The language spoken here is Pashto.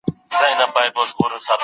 چاته که سکاره یمه اېرې یمه